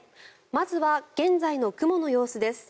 まずは現在の雲の様子です。